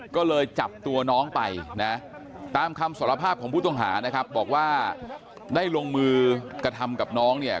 ก็เลยจับตัวน้องไปนะตามคำสารภาพของผู้ต้องหานะครับบอกว่าได้ลงมือกระทำกับน้องเนี่ย